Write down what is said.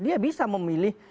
dia bisa memilih